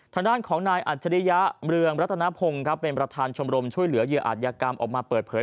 ทางด้านของนายอัจฉริยะเมืองรัฐนพงศ์เป็นประธานชมรมช่วยเหลือเหยื่ออาจยากรรมออกมาเปิดเผย